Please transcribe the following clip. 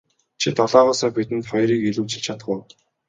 Чи долоогоосоо бидэнд хоёрыг илүүчилж чадах уу.